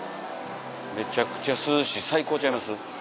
めちゃくちゃ涼しい最高ちゃいます？